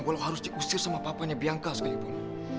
walau harus dikhusus sama papanya bianca sekalipun